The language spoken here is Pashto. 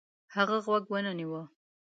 هغه غوږ ونه نیوه.